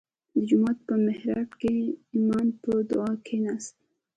• د جومات په محراب کې امام په دعا کښېناست.